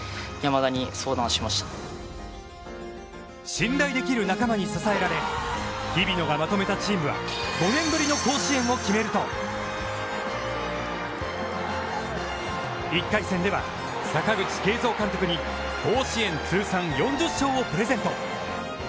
信頼できる仲間に支えられ日比野がまとめたチームは５年ぶりの甲子園を決めると１回戦では阪口慶三監督に甲子園通算４０勝をプレゼント。